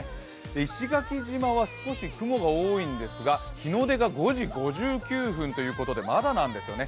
石垣島は少し雲が多いんですが日の出が５時５９分ということで、まだなんですよね。